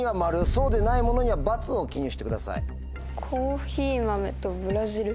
そうでないものには「×」を記入してください。